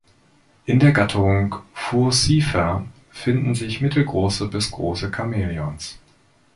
In der Gattung "Furcifer" finden sich mittelgroße bis große Chamäleons.